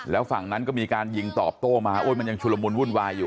แล้วฝั่งนั้นก็มีการยิงตอบโต้มาโอ้ยมันยังชุลมุนวุ่นวายอยู่